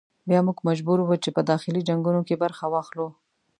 بیا موږ مجبور وو چې په داخلي جنګونو کې برخه واخلو.